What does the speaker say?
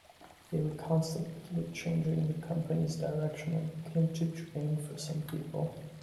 They were constantly changing the company's direction, and it became too draining for some people.